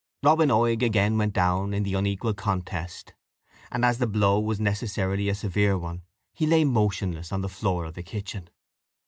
Robin Oig again went down in the unequal contest; and as the blow was necessarily a severe one, he lay motionless on the floor of the kitchen.